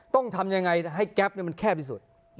ต้องทำยังไงให้แก๊ปมันแคบที่สุด